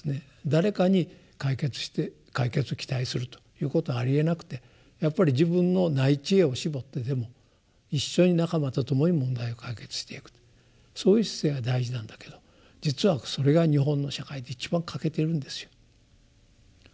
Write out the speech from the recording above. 誰かに解決して解決を期待するということはありえなくてやっぱり自分のない智慧を絞ってでも一緒に仲間と共に問題を解決していくとそういう姿勢が大事なんだけど実はそれが日本の社会で一番欠けてるんですよ。